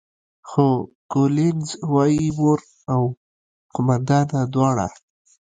خو کولینز وايي، مور او قوماندانه دواړه.